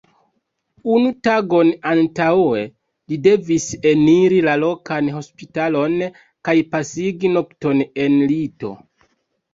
Unu tagon antaŭe li devis eniri la lokan hospitalon kaj pasigi nokton en lito.